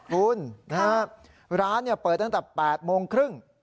คุณนะฮะร้านเปิดตั้งแต่๘โมงครึ่ง